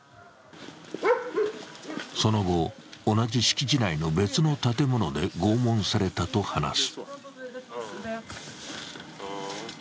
その後、同じ敷地内の別の建物で拷問されたと話す。